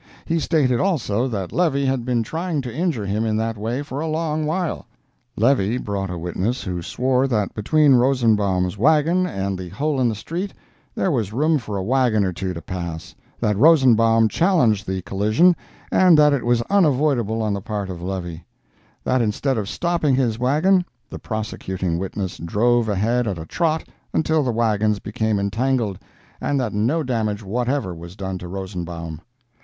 He stated also that Levy had been trying to injure him in that way for a long while. Levy brought a witness who swore that between Rosenbaum's wagon and the hole in the street, there was room for a wagon or two to pass; that Rosenbaum challenged the collision, and that it was unavoidable on the part of Levy; that instead of stopping his wagon, the prosecuting witness drove ahead at a trot until the wagons became entangled, and that no damage whatever was done to Rosenbaum.